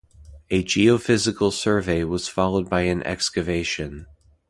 A geophysical survey was followed by an excavation.